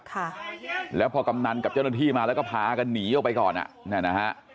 ค่ะแล้วพอกำนันกับเจ้าหน้าที่มาแล้วก็พากันหนีออกไปก่อนอ่ะนั่นนะฮะ